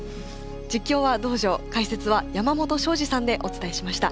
実況は道上解説は山本昭二さんでお伝えしました。